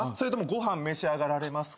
ご飯召し上がられますか？